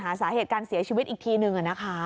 สาเหตุการเสียชีวิตอีกทีหนึ่ง